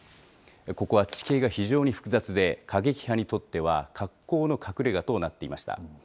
ここは地形が非常に複雑で、過激派にとっては、かっこうの隠れがとなっていました。